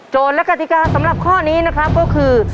และกติกาสำหรับข้อนี้นะครับก็คือ